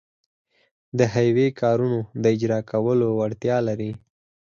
د حیوي کارونو د اجراکولو وړتیا لري.